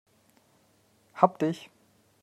Hab dich!